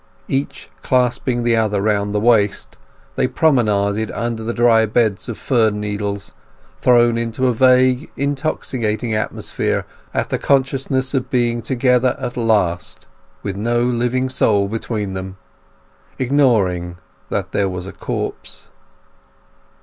Each clasping the other round the waist they promenaded over the dry bed of fir needles, thrown into a vague intoxicating atmosphere at the consciousness of being together at last, with no living soul between them; ignoring that there was a corpse.